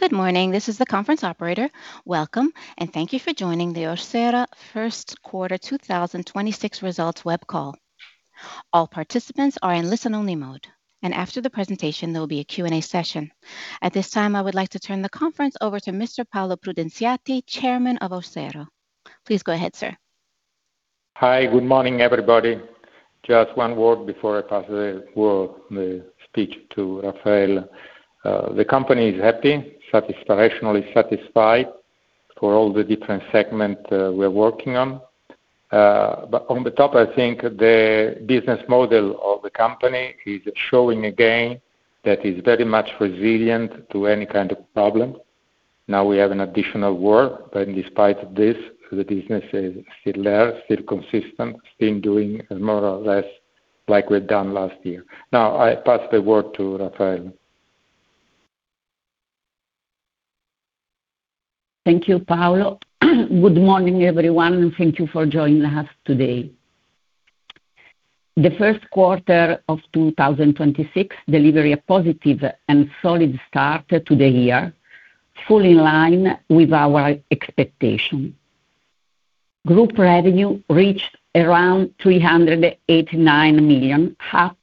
Good morning. Welcome, and thank you for joining the Orsero Q1 2026 results web call. At this time, I would like to turn the conference over to Mr. Paolo Prudenziati, Chairman of Orsero. Please go ahead, sir. Hi. Good morning, everybody. Just one word before I pass the word, the speech to Raffaella. The company is happy, satisfactorily satisfied for all the different segment we are working on. On the top, I think the business model of the company is showing again that is very much resilient to any kind of problem. Now we have an additional work, but in despite of this, the business is still there, still consistent, still doing more or less like we've done last year. Now I pass the word to Raffaella. Thank you, Paolo. Good morning, everyone, and thank you for joining us today. The first quarter of 2026 delivered a positive and solid start to the year, fully in line with our expectation. Group revenue reached around 389 million, up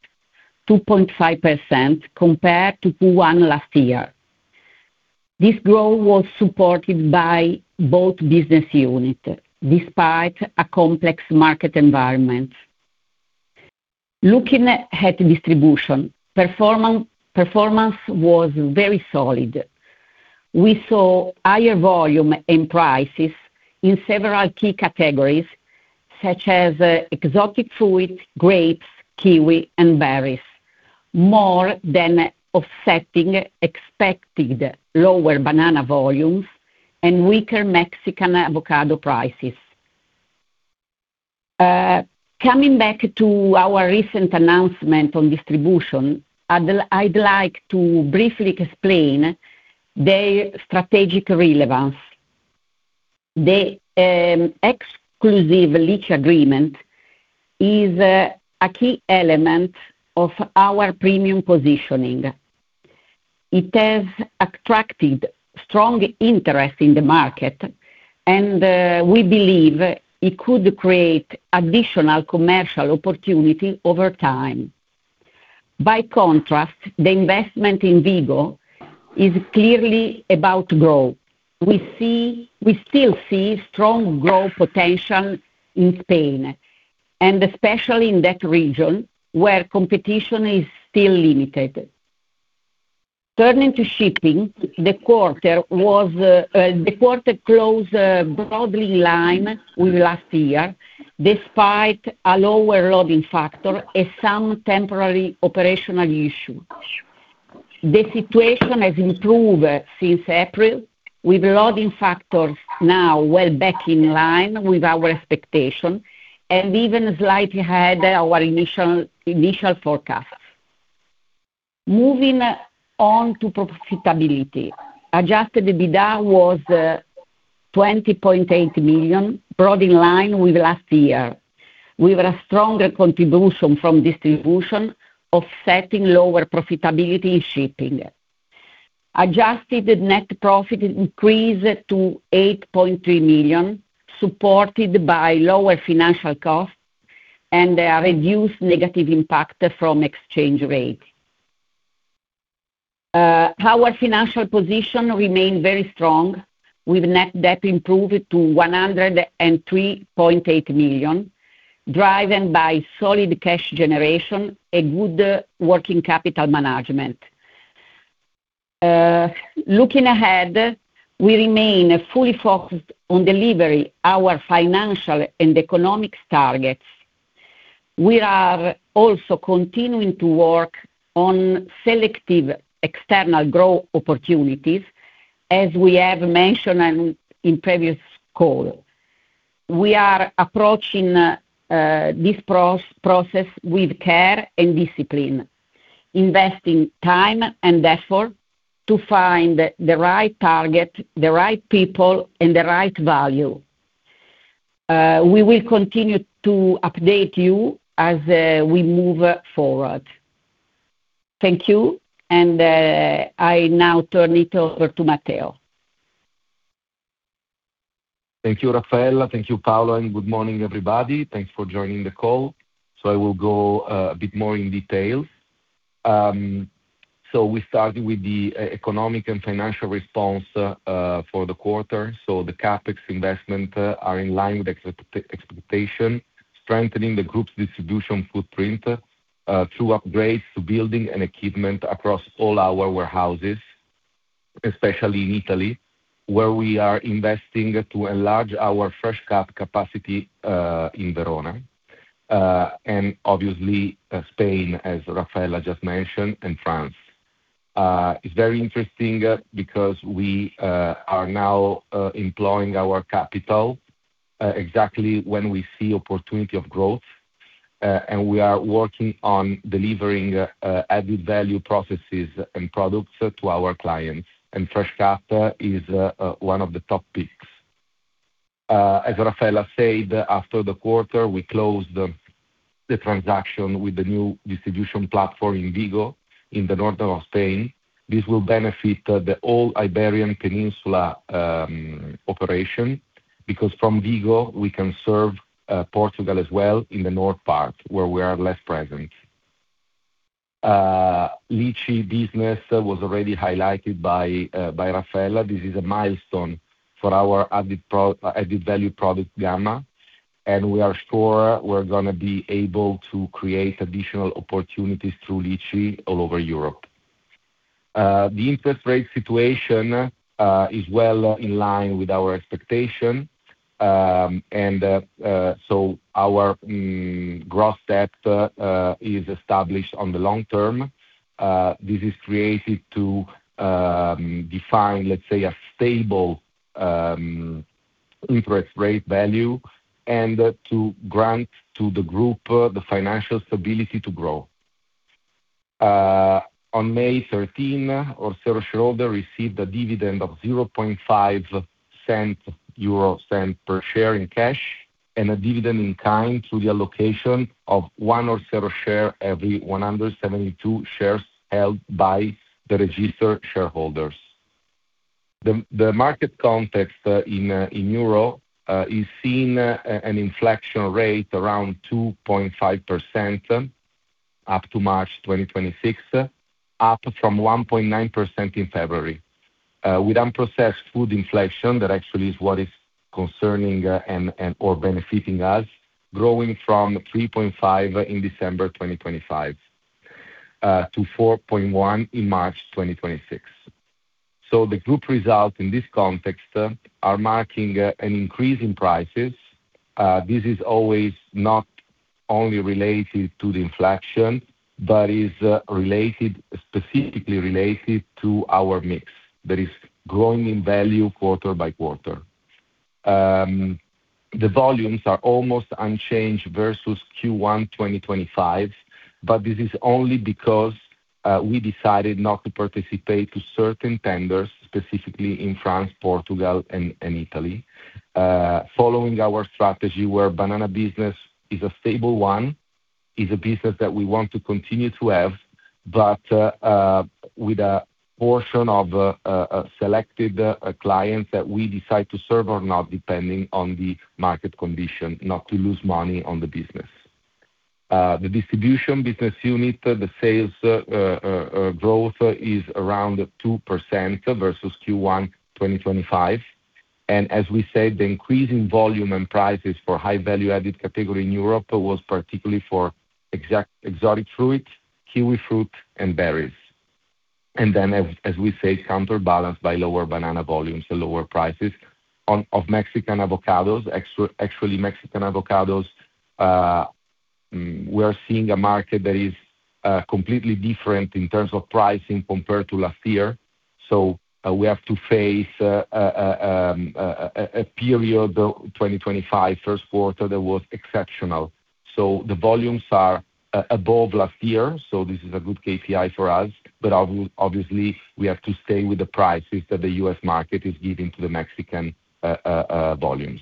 2.5% compared to Q1 last year. This growth was supported by both business unit, despite a complex market environment. Looking at distribution, performance was very solid. We saw higher volume and prices in several key categories such as exotic fruit, grapes, kiwi, and berries, more than offsetting expected lower banana volumes and weaker Mexican avocado prices. Coming back to our recent announcement on distribution, I'd like to briefly explain their strategic relevance. The exclusive lease agreement is a key element of our premium positioning. It has attracted strong interest in the market, we believe it could create additional commercial opportunity over time. By contrast, the investment in Vigo is clearly about growth. We still see strong growth potential in Spain, especially in that region where competition is still limited. Turning to shipping, the quarter closed broadly in line with last year, despite a lower loading factor and some temporary operational issue. The situation has improved since April, with loading factors now well back in line with our expectation and even slightly ahead our initial forecasts. Moving on to profitability. Adjusted EBITDA was 20.8 million, broadly in line with last year, with a stronger contribution from distribution offsetting lower profitability in shipping. Adjusted net profit increased to 8.3 million, supported by lower financial costs and a reduced negative impact from exchange rate. Our financial position remained very strong with net debt improved to 103.8 million, driven by solid cash generation and good working capital management. Looking ahead, we remain fully focused on delivering our financial and economic targets. We are also continuing to work on selective external growth opportunities, as we have mentioned in previous call. We are approaching this process with care and discipline, investing time and effort to find the right target, the right people, and the right value. We will continue to update you as we move forward. Thank you. I now turn it over to Matteo. Thank you, Raffaella. Thank you, Paolo, and good morning, everybody. Thanks for joining the call. I will go a bit more in detail. We start with the economic and financial response for the quarter. The CapEx investment are in line with expectation, strengthening the group's distribution footprint through upgrades to building and equipment across all our warehouses, especially in Italy, where we are investing to enlarge our fresh capacity in Verona. And obviously, Spain, as Raffaella just mentioned, and France. It's very interesting because we are now employing our capital exactly when we see opportunity of growth, and we are working on delivering added-value processes and products to our clients. Fresh-cut is one of the top picks. As Raffaella said, after the quarter, we closed the transaction with the new distribution platform in Vigo, in the north of Spain. This will benefit the whole Iberian Peninsula operation, because from Vigo, we can serve Portugal as well in the north part where we are less present. Lychee business was already highlighted by Raffaella. This is a milestone for our added value product gamma, and we are sure we're gonna be able to create additional opportunities through lychee all over Europe. The interest rate situation is well in line with our expectation, our gross debt is established on the long term. This is created to define, let's say, a stable interest rate value and to grant to the group the financial stability to grow. On May 13, Orsero shareholder received a dividend of 0.005 per share in cash, and a dividend in kind through the allocation of one Orsero share every 172 shares held by the registered shareholders. The market context in Euro is seeing an inflation rate around 2.5% up to March 2026, up from 1.9% in February. With unprocessed food inflation, that actually is what is concerning or benefiting us, growing from 3.5% in December 2025 to 4.1% in March 2026. The group results in this context are marking an increase in prices. This is always not only related to the inflation, but is specifically related to our mix that is growing in value quarter by quarter. The volumes are almost unchanged versus Q1 2025, but this is only because we decided not to participate to certain tenders, specifically in France, Portugal, and Italy. Following our strategy where banana business is a stable one, is a business that we want to continue to have, but with a portion of selected clients that we decide to serve or not depending on the market condition, not to lose money on the business. The distribution business unit, the sales growth is around 2% versus Q1 2025. As we said, the increase in volume and prices for high-value added category in Europe was particularly for exotic fruits, kiwi fruit, and berries. Then as we said, counterbalanced by lower banana volumes and lower prices of Mexican avocados. Actually, Mexican avocados, we're seeing a market that is completely different in terms of pricing compared to last year, so we have to face a period of 2025 first quarter that was exceptional. The volumes are above last year, so this is a good KPI for us. Obviously, we have to stay with the prices that the U.S. market is giving to the Mexican volumes.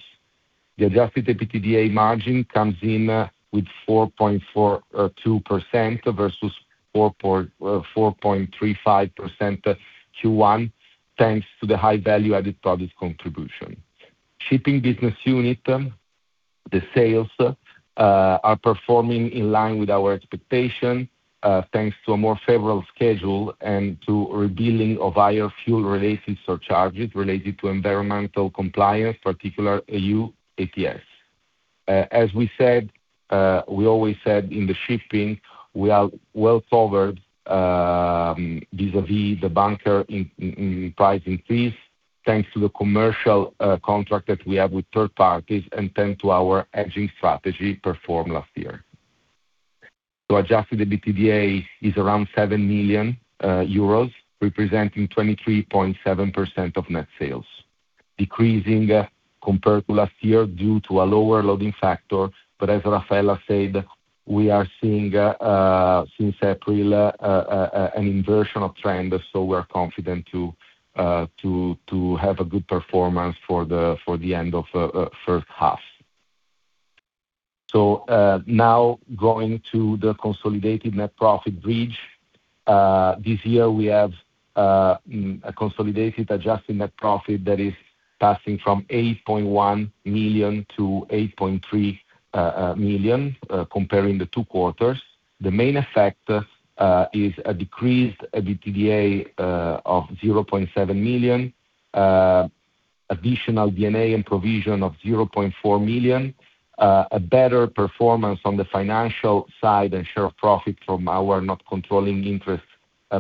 The adjusted EBITDA margin comes in with 4.42% versus 4.35% Q1, thanks to the high-value added product contribution. Shipping business unit, the sales are performing in line with our expectation, thanks to a more favorable schedule and to rebilling of low-sulfur fuel related surcharges related to environmental compliance, particular EU ETS. As we said, we always said in the shipping, we are well covered vis-a-vis the bunkering price increase, thanks to the commercial contract that we have with third parties and thanks to our hedging strategy performed last year. Adjusted EBITDA is around 7 million euros, representing 23.7% of net sales, decreasing compared to last year due to a lower loading factor. As Raffaella said, we are seeing since April an inversion of trend, we're confident to have a good performance for the end of first half. Now going to the consolidated net profit bridge. This year we have a consolidated adjusted net profit that is passing from 8.1 million to 8.3 million comparing the two quarters. The main effect is a decreased EBITDA of 0.7 million, additional D&A and provision of 0.4 million, a better performance on the financial side and share of profit from our non-controlling interest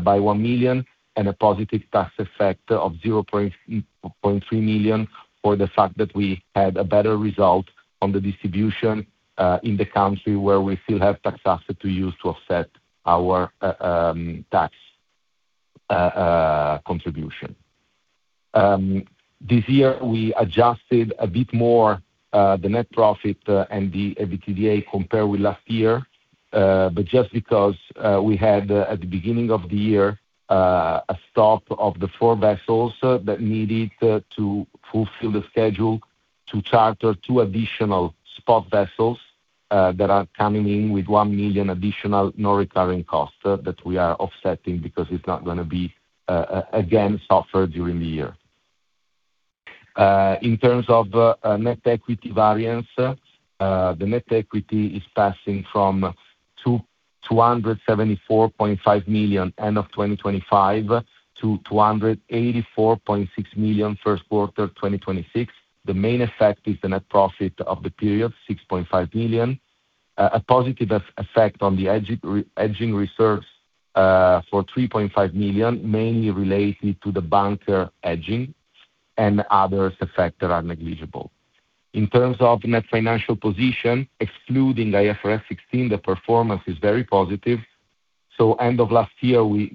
by 1 million, and a positive tax effect of 0.3 million for the fact that we had a better result on the distribution in the country where we still have tax asset to use to offset our tax contribution. This year we adjusted a bit more the net profit and the EBITDA compared with last year. Just because we had at the beginning of the year a stop of the four vessels that needed to fulfill the schedule to charter two additional spot vessels that are coming in with 1 million additional non-recurring costs that we are offsetting because it's not gonna be again suffered during the year. In terms of net equity variance, the net equity is passing from 274.5 million end of 2025 to 284.6 million first quarter of 2026. The main effect is the net profit of the period, 6.5 million. A positive effect on the hedging reserves, for 3.5 million, mainly related to the bunker hedging and other effects that are negligible. In terms of net financial position, excluding IFRS 16, the performance is very positive. End of last year, we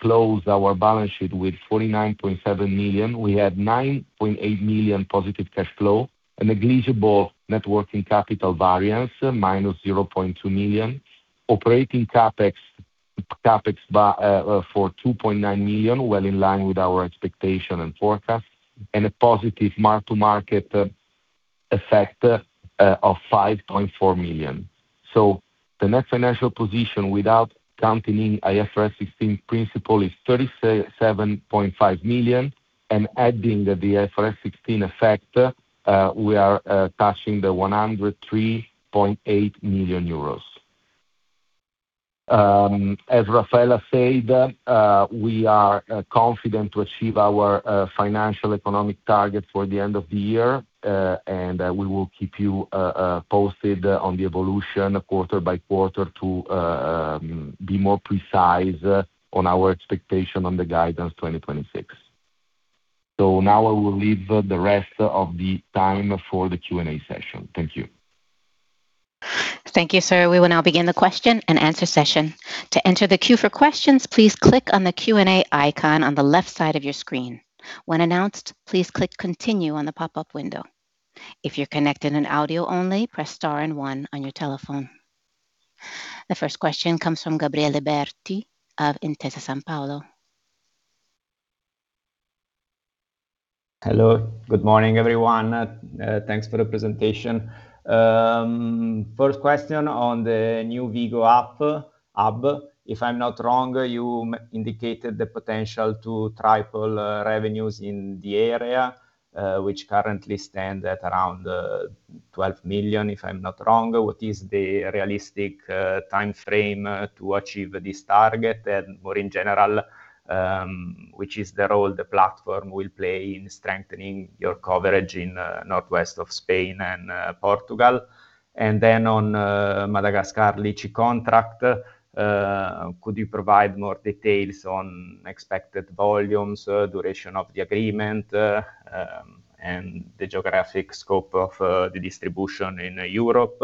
closed our balance sheet with 49.7 million. We had 9.8 million positive cash flow, a negligible net working capital variance, -0.2 million. Operating CapEx for 2.9 million, well in line with our expectation and forecast, and a positive mark-to-market effect of 5.4 million. The net financial position without counting IFRS 16 principle is 37.5 million, and adding the IFRS 16 effect, we are touching the 103.8 million euros. As Raffaella said, we are confident to achieve our financial economic targets for the end of the year. We will keep you posted on the evolution quarter by quarter to be more precise on our expectation on the guidance 2026. Now I will leave the rest of the time for the Q&A session. Thank you. Thank you, sir. We will now begin the question and answer session. To enter the queue for questions, please click on the Q&A icon on the left side of your screen. When announced, please click Continue on the pop-up window. If you're connected on audio only, press star and one on your telephone. The first question comes from Gabriele Berti of Intesa Sanpaolo. Hello, good morning, everyone. Thanks for the presentation. First question on the new Vigo hub. If I'm not wrong, you indicated the potential to triple revenues in the area, which currently stand at around 12 million, if I'm not wrong. What is the realistic timeframe to achieve this target? More in general, which is the role the platform will play in strengthening your coverage in northwest of Spain and Portugal? Then on Madagascar lychee contract, could you provide more details on expected volumes, duration of the agreement, and the geographic scope of the distribution in Europe?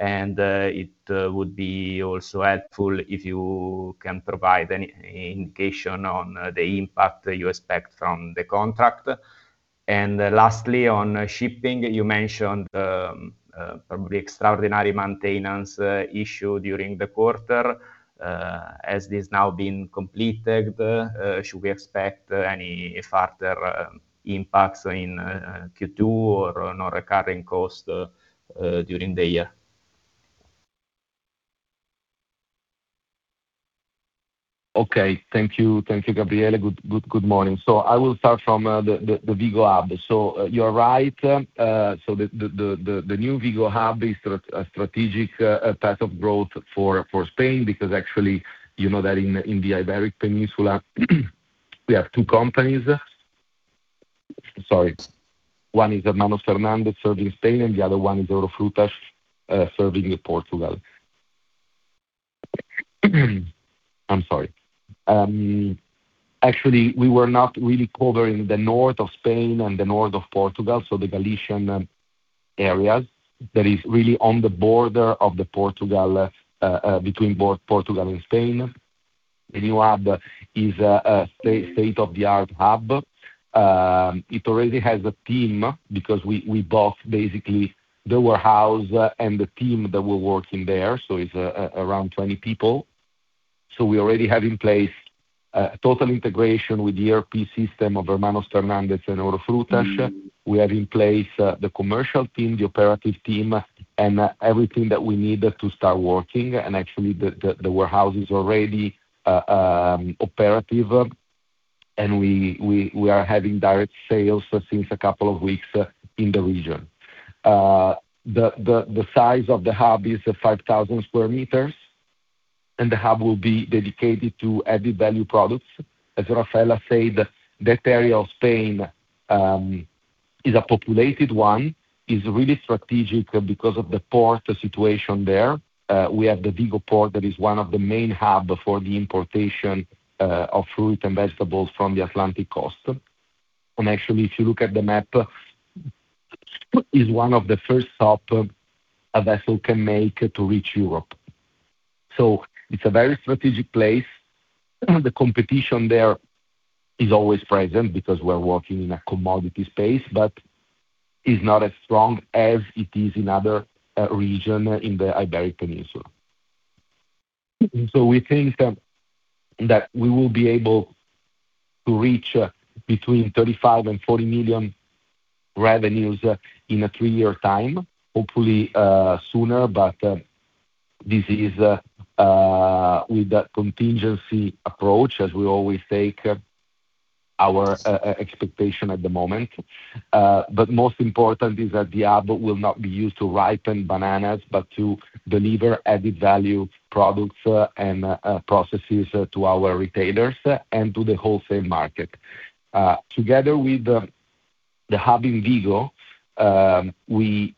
It would be also helpful if you can provide any indication on the impact you expect from the contract. Lastly, on shipping, you mentioned, probably extraordinary maintenance, issue during the quarter. Has this now been completed? Should we expect any further, impacts in Q2 or non-recurring cost, during the year? Thank you. Thank you, Gabriele. Good morning. I will start from the Vigo hub. You're right. The new Vigo hub is a strategic path of growth for Spain, because actually you know that in the Iberian Peninsula we have two companies. Sorry. One is Hermanos Fernández serving Spain, and the other one is Eurofrutas serving Portugal. I'm sorry. Actually, we were not really covering the north of Spain and the north of Portugal, so the Galician areas that is really on the border of the Portugal between Portugal and Spain. The new hub is a state-of-the-art hub. It already has a team because we bought basically the warehouse and the team that were working there, so it's around 20 people. We already have in place a total integration with the ERP system of Hermanos Fernández and Eurofrutas. We have in place the commercial team, the operative team, and everything that we need to start working. Actually the warehouse is already operative, and we are having direct sales since a couple of weeks in the region. The size of the hub is 5,000 square meters, and the hub will be dedicated to added-value products. As Raffaella said, that area of Spain is a populated one. It is really strategic because of the port situation there. We have the Vigo port that is one of the main hub for the importation of fruit and vegetables from the Atlantic coast. Actually, if you look at the map, is one of the first stop a vessel can make to reach Europe. It's a very strategic place. The competition there is always present because we're working in a commodity space, is not as strong as it is in other region in the Iberian Peninsula. We think that we will be able to reach between 35 million and 40 million revenues in a three-year time. Hopefully, sooner, this is with that contingency approach as we always take our expectation at the moment. Most important is that the hub will not be used to ripen bananas, to deliver added value products, and processes to our retailers and to the wholesale market. Together with the hub in Vigo, we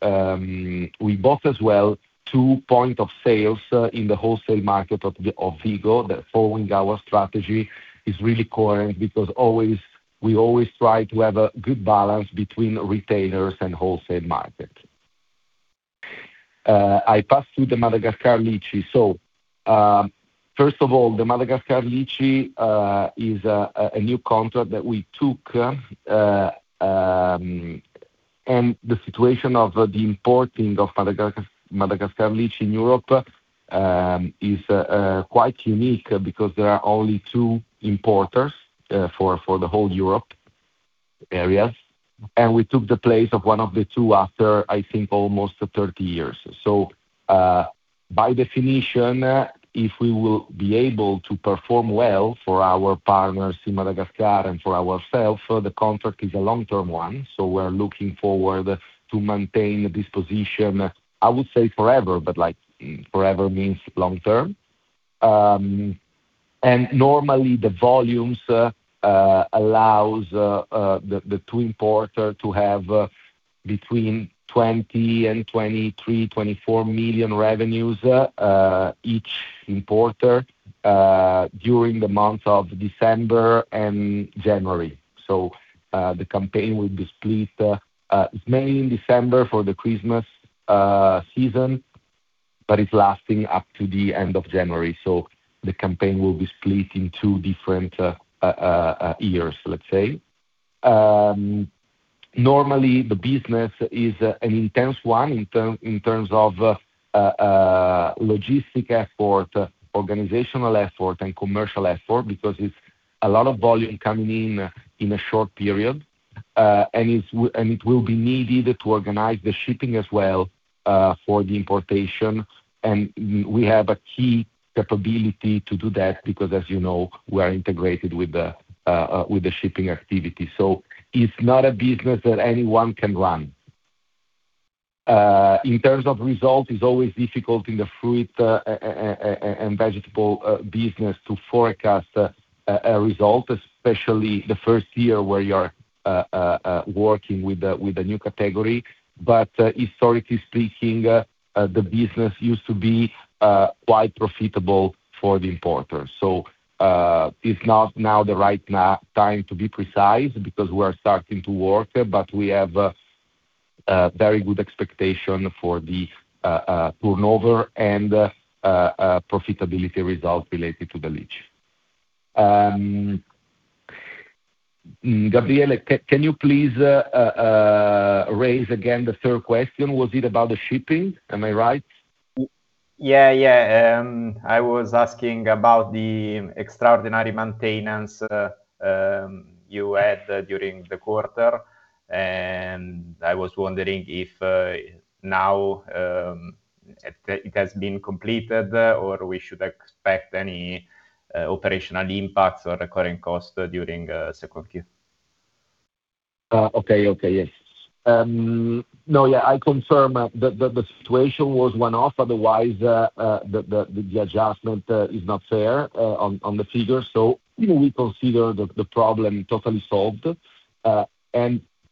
bought as well two point of sales in the wholesale market of Vigo that following our strategy is really core because we always try to have a good balance between retailers and wholesale market. I pass through the Madagascar lychee. First of all, the Madagascar lychee is a new contract that we took, and the situation of the importing of Madagascar lychee in Europe is quite unique because there are only two importers for the whole Europe areas. We took the place of one of the two after, I think almost 30 years. By definition, if we will be able to perform well for our partners in Madagascar and for ourselves, the contract is a long-term one, so we're looking forward to maintain this position, I would say forever, but forever means long term. Normally the volumes allows the two importer to have between 20 million and 23 million-24 million revenues each importer during the months of December and January. The campaign will be split mainly in December for the Christmas season, but it's lasting up to the end of January. The campaign will be split in two different years, let's say. Normally the business is an intense one in terms of logistic effort, organizational effort, and commercial effort because it's a lot of volume coming in a short period. It will be needed to organize the shipping as well for the importation. We have a key capability to do that because as you know, we are integrated with the shipping activity. It's not a business that anyone can run. In terms of result, it's always difficult in the fruit and vegetable business to forecast a result, especially the first year where you're working with a new category. Historically speaking, the business used to be quite profitable for the importers. It's not now the right time to be precise because we are starting to work, but we have a very good expectation for the turnover and profitability results related to the lychee. Gabriele, can you please raise again the third question? Was it about the shipping? Am I right? Yeah, yeah. I was asking about the extraordinary maintenance you had during the quarter, and I was wondering if now it has been completed or we should expect any operational impacts or recurring costs during second Q? Okay. Okay. Yes. No, yeah, I confirm the situation was one-off otherwise the adjustment is not fair on the figures. You know, we consider the problem totally solved.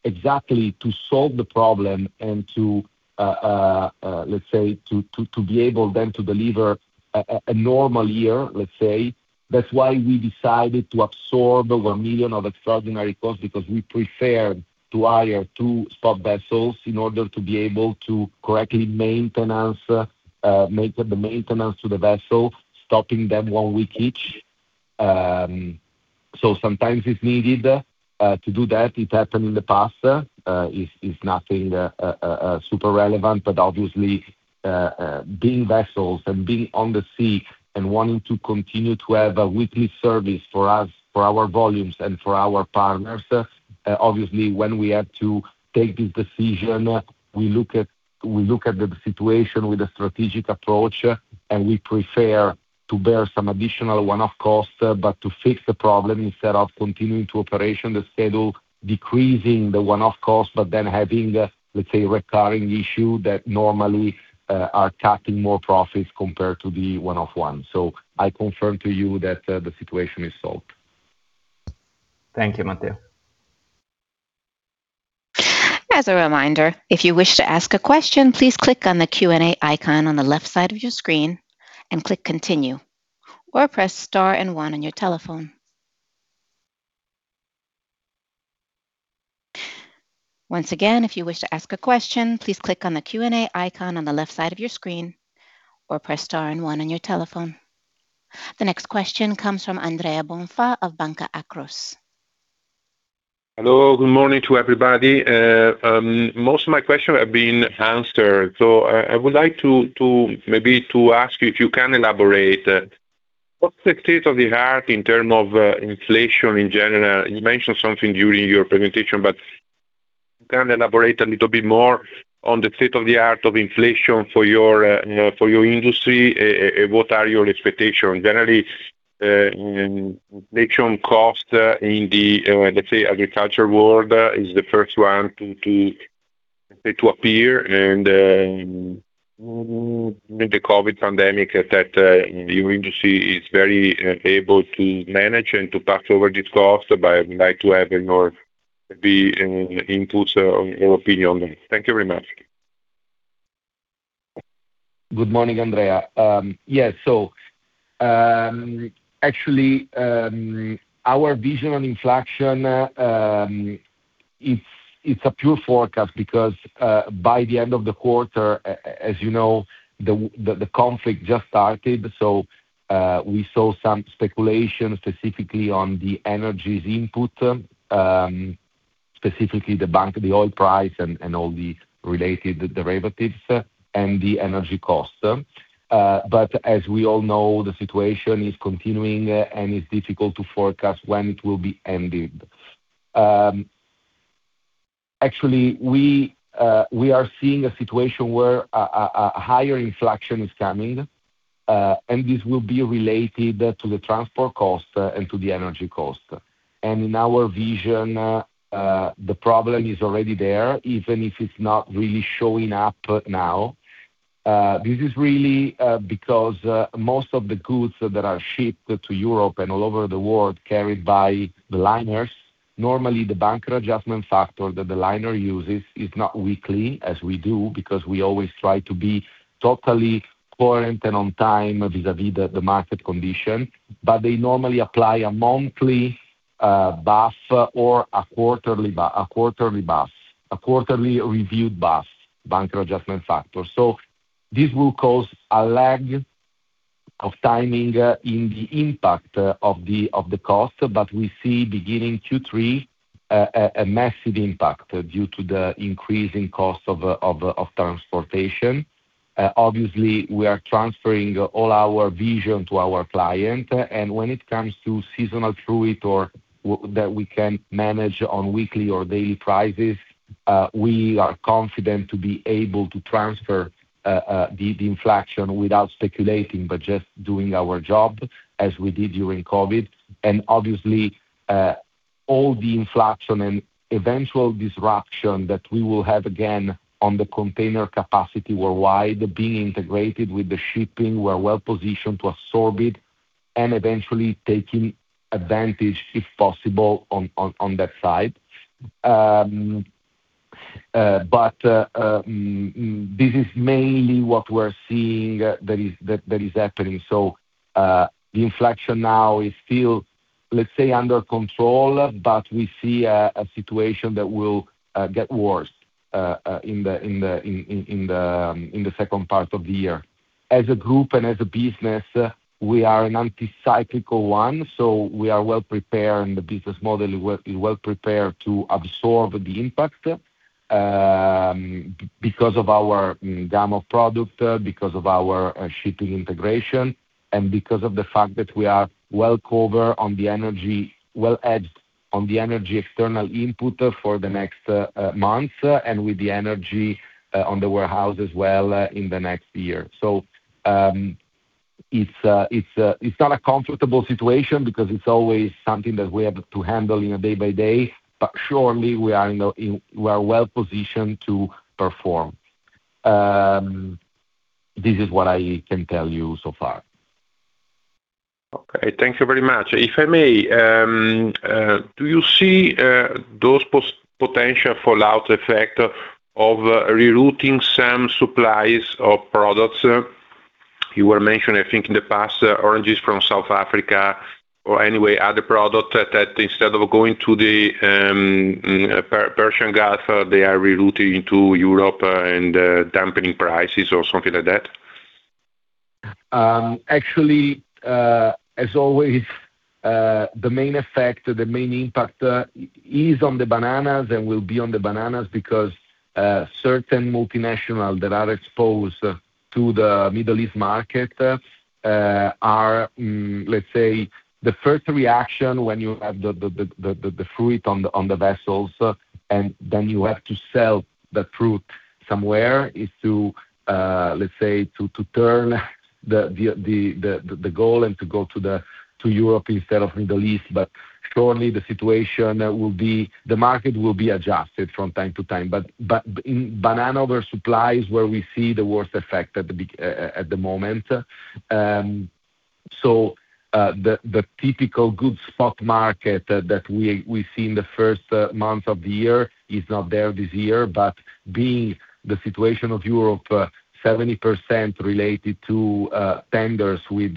Exactly to solve the problem and to, let's say to be able then to deliver a normal year, let's say, that's why we decided to absorb over 1 million of extraordinary costs because we prefer to idle two spot vessels in order to be able to correctly maintenance, make the maintenance to the vessel, stopping them one week each. Sometimes it's needed to do that. It happened in the past, is nothing, super relevant, but obviously, being vessels and being on the sea and wanting to continue to have a weekly service for us, for our volumes and for our partners, obviously, when we had to take this decision, we look at the situation with a strategic approach, and we prefer to bear some additional one-off costs, but to fix the problem instead of continuing to operate the schedule, decreasing the one-off costs, but then having, let's say, recurring issue that normally, are cutting more profits compared to the one-off one. I confirm to you that, the situation is solved. Thank you, Matteo. The next question comes from Andrea Bonfà of Banca Akros. Hello, good morning to everybody. Most of my question have been answered. I would like to maybe to ask you if you can elaborate, what's the state of the art in term of inflation in general? You mentioned something during your presentation. Can you elaborate a little bit more on the state of the art of inflation for your industry, and what are your expectation? Generally, in inflation cost, in the, let's say agriculture world, is the first one to, let's say, to appear and, with the COVID pandemic has set, your industry is very able to manage and to pass over this cost. I would like to have your, maybe any inputs or opinion on that. Thank you very much. Good morning, Andrea. Yes, actually, our vision on inflation, it's a pure forecast because by the end of the quarter, as you know, the conflict just started, we saw some speculation specifically on the energies input, specifically the bunker, the oil price and all the related derivatives and the energy cost. As we all know, the situation is continuing and it's difficult to forecast when it will be ended. Actually, we are seeing a situation where a higher inflation is coming and this will be related to the transport cost and to the energy cost. In our vision, the problem is already there, even if it's not really showing up now. This is really because most of the goods that are shipped to Europe and all over the world carried by the liners. Normally, the Bunker Adjustment Factor that the liner uses is not weekly as we do, because we always try to be totally current and on time vis-a-vis the market condition. They normally apply a monthly BAF or a quarterly BAF, a quarterly reviewed BAF, Bunker Adjustment Factor. This will cause a lag of timing in the impact of the cost. We see beginning Q3 a massive impact due to the increasing cost of transportation. Obviously, we are transferring all our vision to our client. When it comes to seasonal fruit or that we can manage on weekly or daily prices, we are confident to be able to transfer the inflation without speculating, but just doing our job as we did during COVID. Obviously, all the inflation and eventual disruption that we will have again on the container capacity worldwide being integrated with the shipping, we're well positioned to absorb it and eventually taking advantage, if possible, on that side. But this is mainly what we are seeing that is happening. The inflation now is still, let's say, under control, but we see a situation that will get worse in the second part of the year. As a group and as a business, we are an anti-cyclical one. We are well prepared and the business model is well prepared to absorb the impact because of our gamma product, because of our shipping integration, and because of the fact that we are well-covered on the energy, well-hedged on the energy external input for the next month, and with the energy on the warehouse as well, in the next year. It's not a comfortable situation because it's always something that we have to handle in a day by day, but surely, we are well-positioned to perform. This is what I can tell you so far. Okay. Thank you very much. If I may, do you see those potential fallout effect of rerouting some supplies of products? You were mentioning, I think, in the past, oranges from South Africa or anyway other product that instead of going to the Persian Gulf, they are rerouting to Europe, and dampening prices or something like that. Actually, as always, the main effect, the main impact, is on the bananas and will be on the bananas because certain multinationals that are exposed to the Middle East market are, let's say, the first reaction when you have the fruit on the vessels, and then you have to sell the fruit somewhere, is to, let's say, to turn the goal and to go to Europe instead of Middle East. Surely the situation will be. The market will be adjusted from time to time. In banana, there are supplies where we see the worst effect at the moment. The typical good stock market that we see in the first month of the year is not there this year. Being the situation of Europe, 70% related to tenders with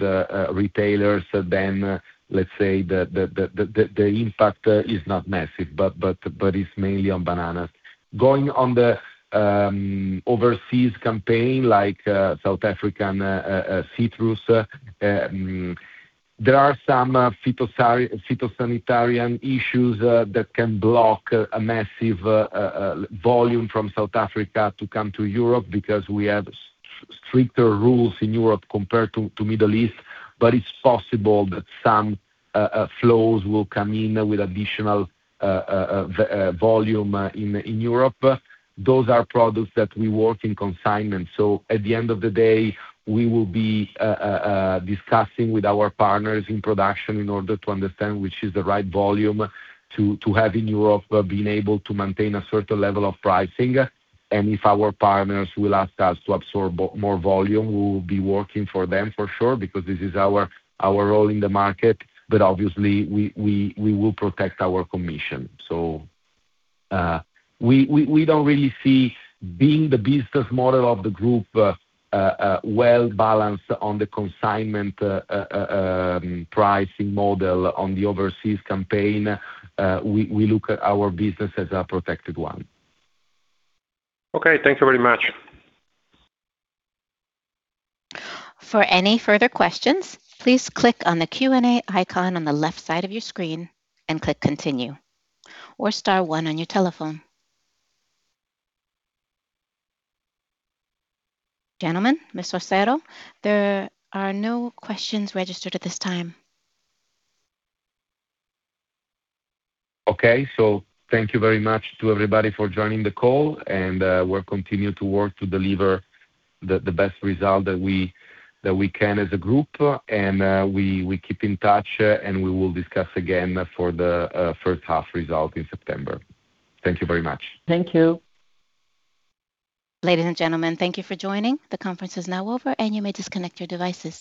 retailers, then let's say the impact is not massive, but it's mainly on bananas. Going on the overseas campaign like South African citrus, there are some phytosanitary issues that can block a massive volume from South Africa to come to Europe because we have stricter rules in Europe compared to Middle East. It's possible that some flows will come in with additional volume in Europe. Those are products that we work in consignment. At the end of the day, we will be discussing with our partners in production in order to understand which is the right volume to have in Europe, but being able to maintain a certain level of pricing. If our partners will ask us to absorb more volume, we will be working for them for sure, because this is our role in the market. Obviously, we will protect our commission. We don't really see being the business model of the group well-balanced on the consignment pricing model on the overseas campaign. We look at our business as a protected one. Okay. Thank you very much. Gentlemen, Ms. Orsero, there are no questions registered at this time. Okay. Thank you very much to everybody for joining the call, and we'll continue to work to deliver the best result that we can as a group. We keep in touch and we will discuss again for the first half result in September. Thank you very much. Thank you. Ladies and gentlemen, thank you for joining. The conference is now over, and you may disconnect your devices.